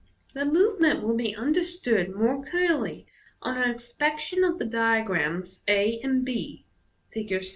The movement will be understood more clearly on an inspection of the diagrams a and b (Fig.